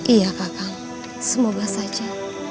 iya kakak semoga saja